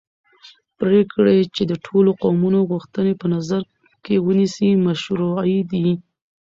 پرېکړې چې د ټولو قومونو غوښتنې په نظر کې ونیسي مشروعې دي